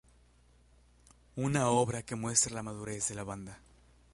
Una obra que muestra la madurez de la banda.